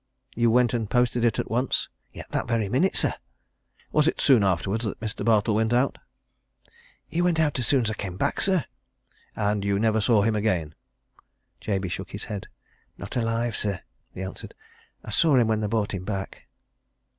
"You went and posted it at once?" "That very minute, sir." "Was it soon afterwards that Mr. Bartle went out?" "He went out as soon as I came back, sir." "And you never saw him again?" Jabey shook his head. "Not alive, sir," he answered. "I saw him when they brought him back."